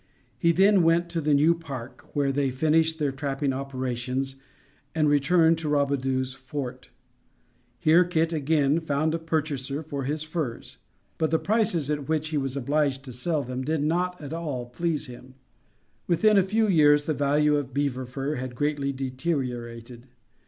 He then went to the New Park, where they finished their trapping operations and returned to Robidoux's Fort. Here Kit again found a purchaser for his furs; but, the prices at which he was obliged to sell them, did not at all please him. Within a few years, the value of beaver fur had greatly deteriorated.